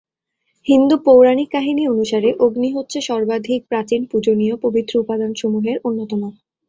হিন্দু পৌরাণিক কাহিনী অনুসারে অগ্নি হচ্ছে সর্বাধিক প্রাচীন পূজনীয় পবিত্র উপাদানসমূহের অন্যতম।